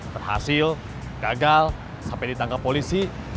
berhasil gagal sampai ditangkap polisi